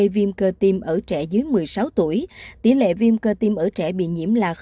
viêm cơ tiêm ở trẻ dưới một mươi sáu tuổi tỷ lệ viêm cơ tiêm ở trẻ bị nhiễm là một trăm ba mươi ba